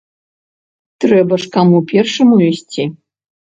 Трэба ж каму першаму ісці.